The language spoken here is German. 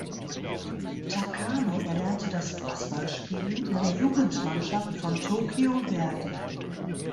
Takano erlernte das Fußballspielen in der Jugendmannschaft von Tokyo Verdy.